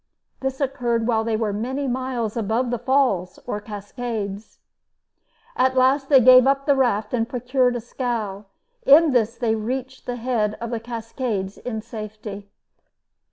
This occurred while they were many miles above the falls, or Cascades. At last they gave up the raft and procured a scow. In this they reached the head of the Cascades in safety.